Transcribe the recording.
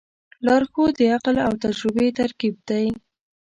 لارښود د عقل او تجربې ترکیب دی.